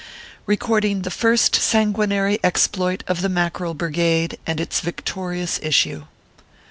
RECORDING THE FIRST SANGUINARY EXPLOIT OF THE MACKEREL BRIGADE, AND ITS VICTORIOUS ISSUE.